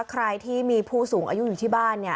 ใครที่มีผู้สูงอายุอยู่ที่บ้านเนี่ย